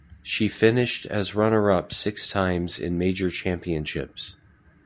She finished as runner-up six times in major championships.